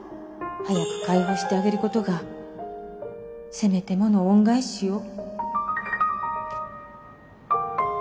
早く解放してあげることがせめてもの恩返しよ